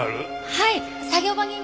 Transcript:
はい。